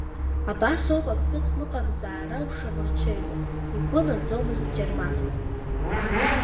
Абасоуп аԥҳәыс лыҟамзаара ушамырҽеиуа, игәы наӡомызт Џьармаҭ.